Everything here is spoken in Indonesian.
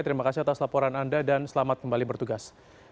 terima kasih atas laporan anda dan selamat kembali bertugas